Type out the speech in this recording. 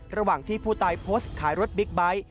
ระหว่างที่ผู้ตายโพสต์ขายรถบิ๊กไบท์